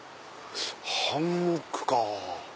ハンモックか。